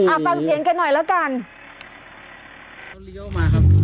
ฟังเสียงกันหน่อยแล้วกันเขาเลี้ยวออกมาครับ